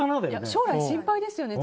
将来、心配ですよね。